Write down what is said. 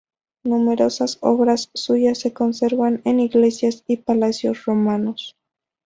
Numerosas obras suyas se conservan en iglesias y palacios romanos.